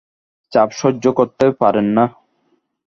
চাপ সহ্য করতে পারেন না।